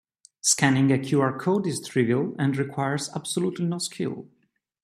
Scanning a QR code is trivial and requires absolutely no skill.